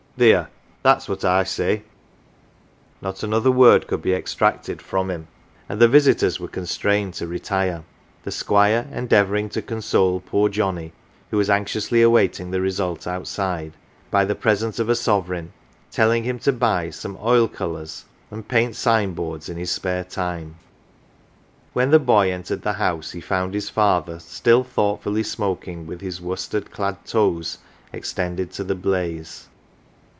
Theer, that's what I say !" Not another word could be extracted from him, and the visitors were constrained to retire ; the Squire endeavouring to console poor Johnnie (who was anx iously awaiting the result outside) by the present of a sovereign, telling him to buy some oil colours, and paint sign boards in his spare time. When the boy entered the house he found his father still thoughtfully smoking with his worsted clad toes extended to the blaze.